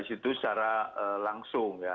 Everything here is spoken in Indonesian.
itu secara langsung ya